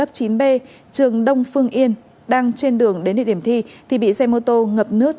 lớp chín b trường đông phương yên đang trên đường đến địa điểm thi thì bị xe mô tô ngập nước